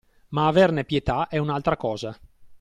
Ma averne pietà è un'altra cosa!